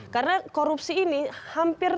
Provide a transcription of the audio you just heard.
karena korupsi ini hampir